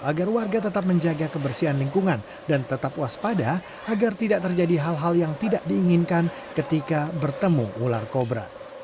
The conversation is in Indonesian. agar warga tetap menjaga kebersihan lingkungan dan tetap waspada agar tidak terjadi hal hal yang tidak diinginkan ketika bertemu ular kobra